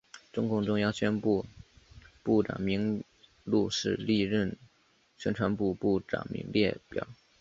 中共中央宣传部部长名录是历任宣传部部长列表。